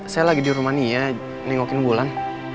saya lagi di rumania nengokin bulan